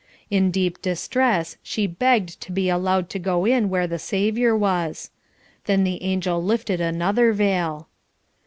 In deep distress she begged to be allowed to go in where the Saviour was. Then the angel lifted another veil.